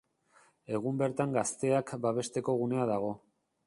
Egun bertan gazteak babesteko gunea dago.